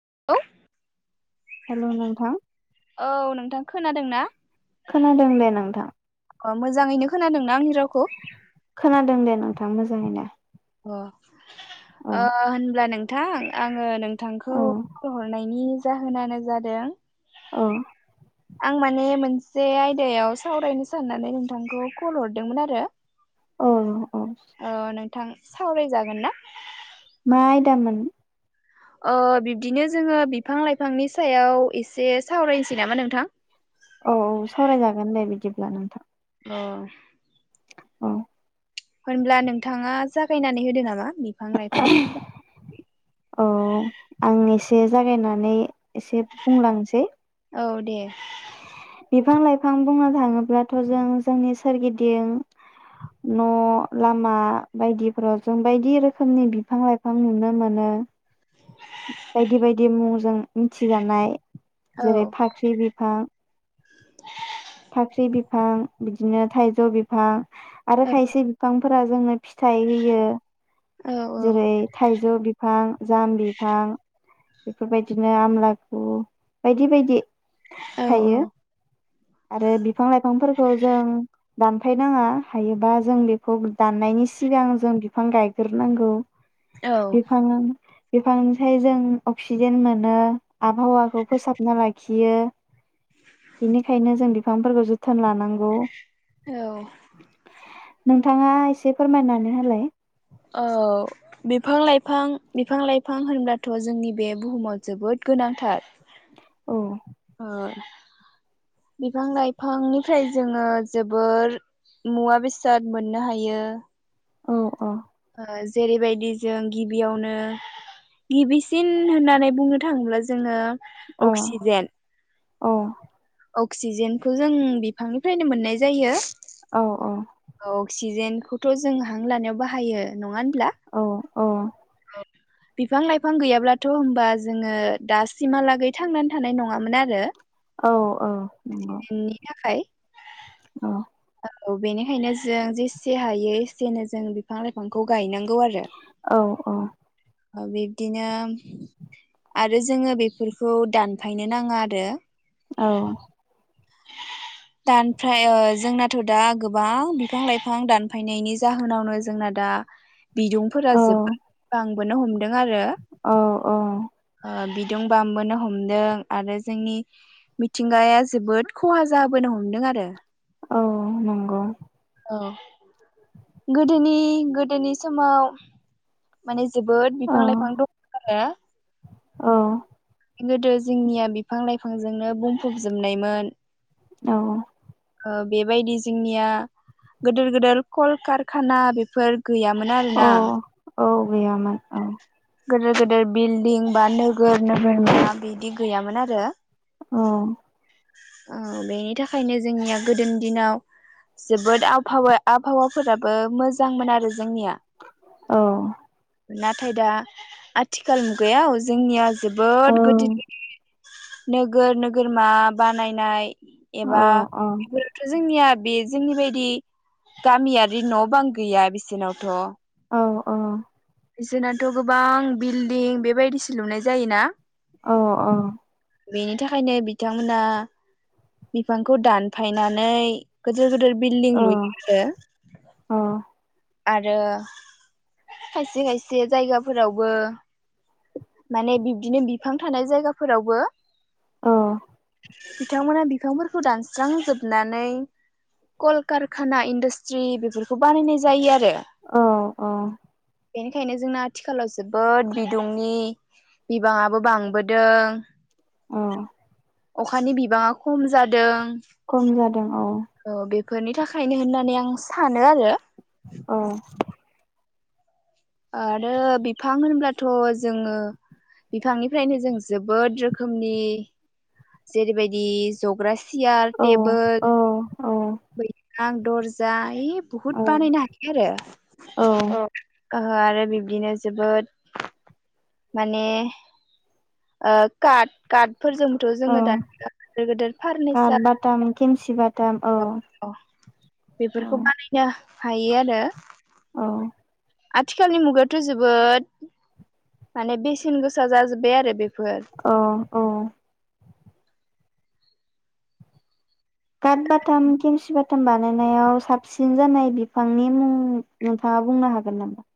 [unintelligible] हेल' नोंथां खोनादों ना खोनादों दे नोंथां अ मोजाङैनो खोनादों ना आंनि राव खोनादों दे नोथां मोजाङै नो अ अ होनब्ला नों थां आङो नों थांखौ औ कल हरनायनि जाहोनानो जादों औ आं माने मोन से आयदायाव सावरायनो साननानै नोंथांखौ कल हरदोंमोन आरो औ औ औ नोंथां सावरायजागोन ना मा आयदामोन? ओ बिबदिनो जोङो बिफां लाइफांनि सायाव इसे सावरायसै नामा नोंथां? औ औ सावरायजागोन दे बिदिब्ला नोंथां। अ औ। होनब्ला नोंथाङा जागायनानै होदो नामा बि फां लाइफांनि जा औ आं एसे जागायनानै एसे बुंलांसै औ दे। बिफां लाइफां बुंनो थाङोब्लाथ' जों जोंनि सोरगिदिं न' लामा बायदिफोराव जों बायदि रोखोमनि बिफां लाइफां नुनो मोनो। बायदि बायदि मुंजों मिथिजानाय औ जेरै फाख्रि बिफां फाख्रि बिफां बिदिनो थाइजौ बिफां आरो औ खायसे बिफां फोरा जोंनो फिथाइ होयो। औ जेरै औ थाइजौ बिफां जाम बिफां बेफोरबायदिनो आमलागु बायदि बायदि थायो। औ आरो बि फां लाइफांफोरखौ जों दानफायनाङा हायोबा जों बेखौ दाननायनि सिगां जों बिफां गायगोर नांगौ। औ बिफां आं बिफांनिफाय जों अक्सिजेन मोनो आबहावाखौ फोसाबना लाखियो बिनिखायनो जों बिफांफोरखौ जोथोन लानांगौ। औ नोंथाङा एसे फोरमायनानै होलाय औ बिफां लाइफां बिफां लाइफां होनब्लाथ' जोंनि बे बुहुमाव जोबोद गोनांथार। औ ओ बिफां लाइफांनिफ्राय जोङो जोबोर मुवा बेसाद मोननो हायो औ अ ओ जेरैबायदि जों गिबियावनो गिबिसिन होननानै बुंनो थाङोब्ला जोङो औ अक्सिजेन औ अक्सिजेनखौ जों बिफांनिफ्रायनो मोननाय जायो। औ औ अक्सिजेनखौथ' जों हां लानायाव बाहायो नङा होन ब्ला अ बिफां लाइफां गैयाब्लाथ' होमबा जोङो दासिमहालागै थांनानै थानाय नङामोन आरो औ औ नंगौ बेनि थाखाय औ औ बेनिखायनो जों जेसे हायो एसेनो जों बिफां लाइफांखौ गायनांगौ आरो औ औ बिब्दिनो आरो जोङो बेफोरखौ दानफायनो नाङा आरो औ दानफाय जोंनाथ' दा गोबां बिफां लाइफां दानफायनायनि जाहोनावनो जोंना दा बिदुंफोरा जोब औ हमगोना हमला औ ओ बिदुं बांबोनो हमदों आरो जोंनि मिथिंगाया जोबोद खहा जाबोनो हमदों आरो औ नंगौ औ गोदोनि गोदोनि समाव माने जोबोद औ बिफां लाइफां दं आरो औ गोदो जोंनिया बिफां लाइफांजोंनो बुंफबजोबनायमोन औ ओ बेबायदि जोंनिया गोदोर गोदेर कल कारखाना बेफोर गैयामोन औ आरोना औ गैयामोन औ गिदिर गेदेर बिल्डिं बा नोगोर नोगोरमा बिदि गैयामोन आरो औ ओ बेनि थाखायनो जोंनिया गोदोनि दिनाव जोबोद आबहावा आबहावाफोराबो मोजांमोन आरो जोंनिया औ नाथाय दा आथिखाल मुगायाव जोंनिया औ जोबोद [unintelligible] नोगोर नोगोरमा बानायनाय एबा बेफोरथ' जोंनिया बे जोंनि बायदि गामियारि न' बां गैया बिसोनावथ' औ ओ बिसोनाथ' गोबां बिल्डिं बेबायदिसो लुनाय जायोना औ ओ बेनि थाखायनो बिथांमोना बिफांखौ दानफायनानै गोदोर गोदोर बिल्डिं लुइयो आरो खाय से खायसे जायगाफोरावबो माने बिबदिनो बिफां थानाय जायगाफोरावबो बिथांमोना बि फांफोरखौ दानस्रांजोबनानै कलकारखाना इन्डास्ट्रि बेफोरखौ बानायनाय जायो आरो औ औ बेनिखायनो जोंना आथिखालाव जोबोद बिदुंनि बिबाङाबो बांबोदों। औ अखानि बिबाङा खम जादों। खम जादों औ। फोरनि थाखायनो होननानै आं सानो आरो। औ आरो बिफां होनब्लाथ' जोङो बिफांनिफ्रायनो जों जोबोद रोखोमनि जेरैबायदि जग्रा सियार औ टेबोल। औ बै सां दरजा ओइ बुहुद बानायनो हायो आरो औ। ओ आरो बिबदिनो जोबोद माने ओ काट काट फोरजोंबोथ' औ जोङो दा गिदिर गिदिर काट फारनिसार अ बाटाम खेमसि बाटाम औ अ औ बेफोरखौ बानायनो। हायो आरो। औ आथिखालनि मुगायाथ' जोबोद माने बेसेन गोसा जाजोब्बाय आरो बे अ औ काद बाथाम केमसि बा बाटाम बानायनायाव साबसिन जानाय बिफांनि मुं नोंथाङा बुंनो हागोन नामा?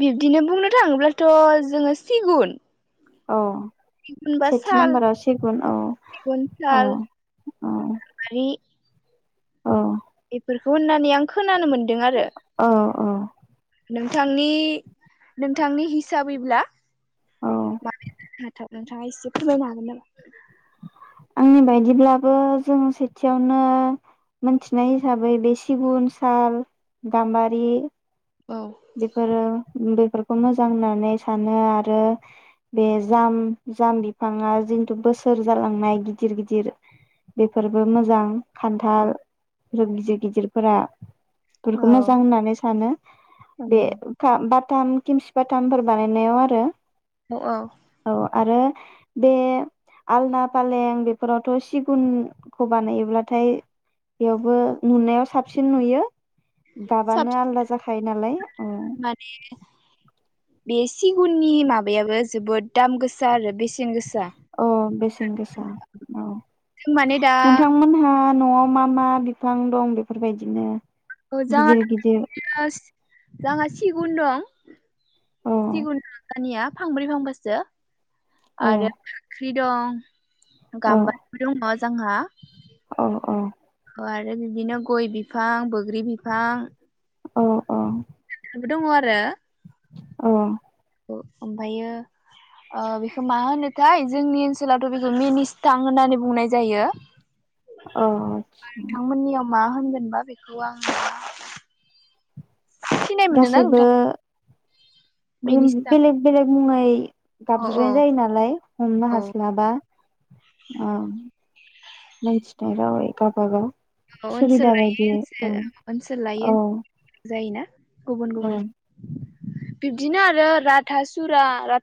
बिब्दिनो बुंनो थाङोब्लाथ' जोङो सिगुन अ सिगुन बा सेथि साल नाम्बाराव सिगुन औ सिगुन औ साल औ। बारि अ बेफोरखौ होननानै आं खोनानो मोनदों। दों आरो। अ नोंथांनि नोंथांनि हिसाबैब्ला औ [unintelligible] नोंथाङा एसे फोरमायनो हागोन नामा? आंनि बायदिब्लाबो जों सेथियावनो मोनथिनाय हिसाबै बे सिगुन साल गाम्बारि। औ बेफोरो बे बेफोरखौ मोजां होननानै सानो आरो बे जाम जाम बिफाङा जिन्थु बोसोर जालांनाय गिदिर गिदिर बेफोरबो मोजां। खान्थाल गिदिर गिदिरफोरा बेफोरखौ मोजां होननानै सानो बे औ [unintelligible] थाम खिमसिबाथामफोर बानायनायाव आरो औ औ औ आरो बे आलना फालें बेफोरावथ' सिगुनखौ बानायोब्लाथाय बेयावबो नुनायाव साबसिन नुयो दाबानो साबसिन आलदा जाखायो नालाय माने बे सिगुननि माबायाबो जोबोद दाम गोसा आरो बेसे अ बेसेन गोसा औ जों माने दा नोंथांमोनहा न'आव मा मा बिफां दं बेफोरबायदिनो गिदिर गिदिर [unintelligible] सिगुन दं [unintelligible] फांब्रै फांबासो आरो फ्रि दं गाम [unintelligible] जांहा अ अ अ आरो बिदिनो गय बिफां बोग्रि बिफां अ अ बोदङ आरो अ ओ ओमफ्रायो ओ बेखौ मा होनोथाय जोंनि ओनसोलावथ' बेखौ मिनिसथां होननानै बुंनाय जायो अ आतसा नोंथांमोननियाव मा होनगोनबा बेखौ आं सिनाय मोनदोंना गासैबो नोंथां उम मिनिस्थां बेलेक बेलेक मुङै औ औ गाबज्रिनाय जायो नालाय हमनो औ हास्लाबा आ मोनथिथाय रावै गाबागाव औ ओनसोल लायै ओनसो औ ओनसोल लायो औ ओनसो जायोना गुबुन औ गुबुन बिब्दिनो आरो राधा सुरा रा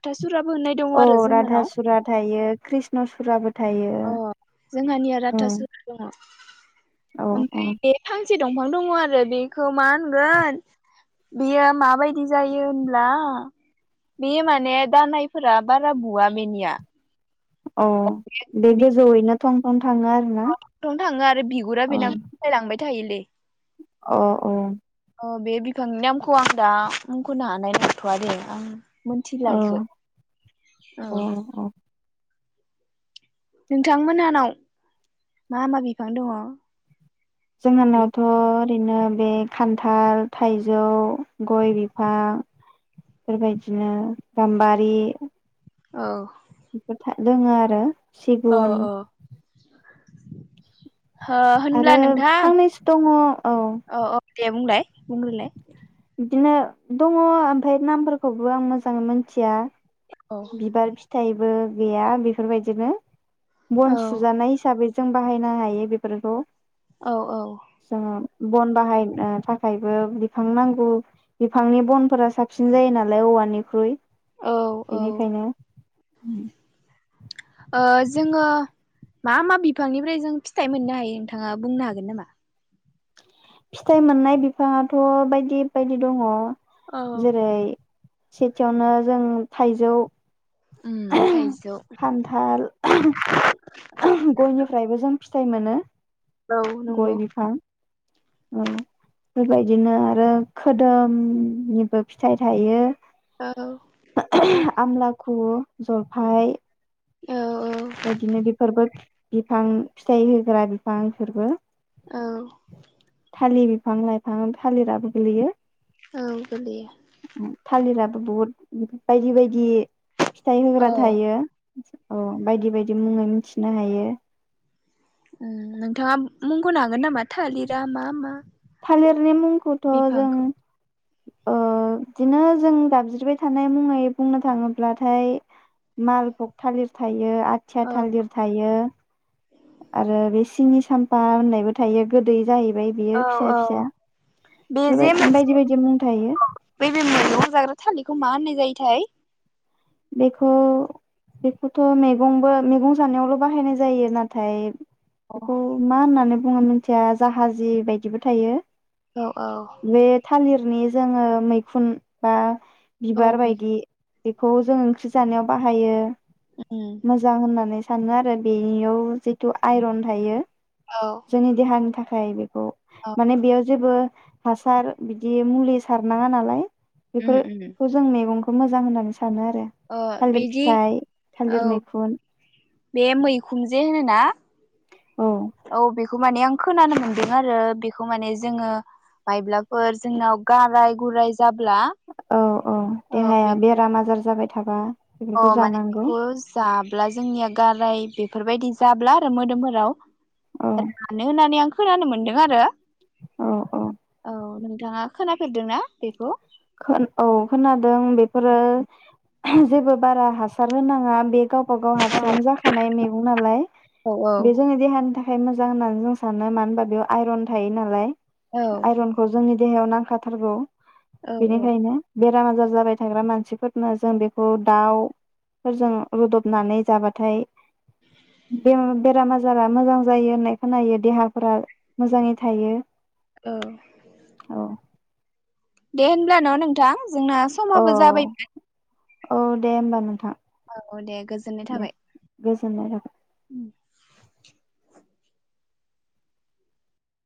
अ राधा सुरा थायो कृष्ण सुराबो थायो अ जोंहानिया औ राधा सुरा दङ औ औ ओमफ्राय बे फां से दंफां दङ आरो बेखो मा होनगोन बेयो माबायदि जायो होनब्ला बे माने दानायफोरा बारा बुवा बेनिया अ बे गोजौयैनो थं थं थाङो आरोना आव थं थाङो आरो बिगुरा अ बिना [inaudible] लांबाय थायोलै। अ अ औ बे बिफांनि नामखौ आं दा। आंखौनो हानाय नंथ'आ दे आं। मोनथिला अ इखो औ। अ अ नोंथांमोनानाव मा मा बिफां दङ। बे जोंहानावथ' ओरैनो बे खान्थाल थाइजौ गय बिफां बेबायदिनो गाम्बारि। औ बेफोर था दङो आरो। औ सिगुन औ हो आरो होनब्ला नोंथां फांनैसो दङ औ। औ औ दे बुंलाय बुंग्रोलाय बिदिनो दङ ओमफ्राय नामफोरखौबो आं मोजाङै मोनथिया। औ बिबार फिथाइ फिथाइबो गैया बेफोरबायदिनो औ बन सुजानाय हिसाबै जों बाहायनो हायो बेफोरखौ। औ औ जोङो बन बाहायनो थाखायबो बिफांनांगौ। बिफांनि बनफोरा साबसिन जायो नालाय औवानिख्रुइ औ औ बेनिखायनो उम जोङो मा मा बिफांनिफ्राय जों फिथाइ मोननो हायो नोंथाङा बुंनो हागोन नामा? फिथाइ मोननाय बिफाङाथ' बायदि बायदि दङ। औ जेरै सेथियावनो जों थाइजौ उम थाइजौ खान्थाल गयनिफ्रायबो जों। फिथाइ मोनो औ गय नंगौ। बिफां औ बेबायदिनो आरो खोदोमनिबो फिथाइ थायो। औ होदों आमलाखौ हखु जलफाइ औ बेबायदिनो बेफोरबो बिफां फिथाइ होग्रा बिफांफोरबो औ थालिर बिफां लाइफां थालिराबो गोग्लैयो। औ गोलैयो थालिराबो बहुद बायदि बायदि फिथाइ होग्रा औ थायो औ बायदि बायदि मुङै मिथिनो हायो। नोंथाङा मुंख'नो हागोन नामा थालिरा मा मा थालेरनि मुंखौ जों बिफांखौ बिदिनो जों गाबज्रिबाय थानाय मुङै बुंनो थाङोब्लाथाय मालभग थालिर थायो। थायो आथिया औ थालिर थायो। आरो बे सिनि साम्फा होननायबो थायो गोदै जाहैबाय ओमफ्राय बियो औ फिसा औ फिसा बे जे बेफोरबायदिनो बायदि मोनसे बायदि मुं थायो [unintelligible] थालिरखौ मा होननाय जायोथाय बेखौ बेखौथ' मैगंबो मैगं जानायावल' बाहायनाय जायो नाथाय अ बेखौ मा होननानै बुङो मिथिया जाहाजि बायदिबो थायो। औ बे थालिरनि जोङो मैखुन बा औ बिबार उम बायदि खौ जों ओंख्रि जानायाव बाहायो। मोजां होननानै सानो आरो बेनियाव जिथु आइरन थायो। औ जोंनि देहानि थाखाय खायबो माने बेयाव जेबो हासार बिदि मुलि सारनाङा नालाय उम उम बेफोरखौ जों मैगं खौ मोजां होननानै सान अ बिदि औ थालिर मैखुन बे मैखुनजे होनोना औ औ बेखौ माने आं खोनानो मोनदों आरो बिखौ माने जोङो मायब्लाफोर जोंनाव गाराय गुराय जाब्ला औ औ देहाया बेराम आजार जाबाय थाबा अ बेफोरखौ माने जानांगौ बेखौ जाब्ला जोंनिया गाराय बे फोरबायदि जाब्ला आरो मोदोमफोराव औ रानो होननानै आं खोनानो मोन्दों आरो। औ औ। थाङा खोनाफेरदों ना बेखौ? खोन औ खोनादों बेफोरो [unintelligible] जेबो बारा हासार होनाङा बे गावबा गाव हारसिंनो जाखानाय मेगं नालाय औ बे जोंनि देहानि था खाय मोजां होननानै जों सानो मानो होनबा बेयाव आइरन थायो नालाय। औ आइरनखौ जोंनि देहायाव नांखाथारगौ। औ बेनिखायनो बे राम आजार जाबाय थाग्रा मानसिफोरनो जों बेखौ दाउफोरजों रुदबनानै जाबाथाय [unintelligible] बेराम आजारा मोजां जायो होननाय खोनायो देहाफोरा मोजाङै थायो। औ। औ दे होनब्ला न' नोंथां। जोंना औ समाबो जाबायमोन। औ दे होमबा नोंथां। औ दे गोजोननाय दे थाबाय। गोजोननाय थाबाय। उम